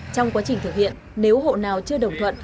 trong quá trình thực hiện nếu hộ nào chưa đồng thuận